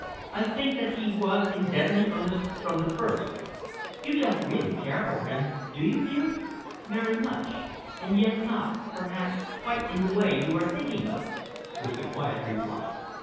I think that he was in deadly earnest from the first. You don't really care for him, do you, dear?" "Very much, and yet not, perhaps, quite in the way you are thinking of," was the quiet reply.